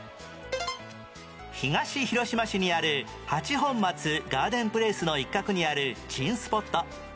東広島市にある八本松ガーデンプレイスの一角にある珍スポット